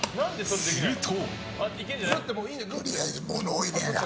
すると。